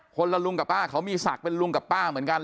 ละลุงกับป้าเขามีศักดิ์เป็นลุงกับป้าเหมือนกัน